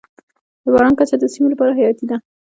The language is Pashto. د باران کچه د سیمې لپاره حیاتي ده.